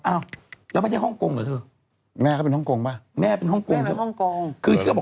อ้าวแล้วไม่ได้ห้องกงเหรอเธอ